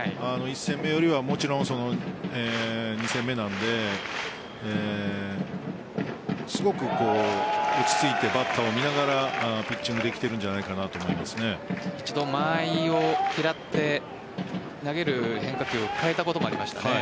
１戦目よりはもちろん２戦目なのですごく落ち着いて、バッターを見ながらピッチングできているん一度間合いを嫌って投げる変化球を変えたこともありましたね。